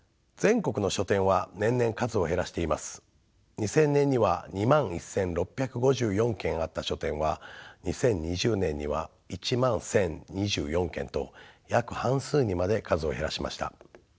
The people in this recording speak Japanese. ２０００年には２１，６５４軒あった書店は２０２０年には１１，０２４軒と約半数にまで数を減らしました。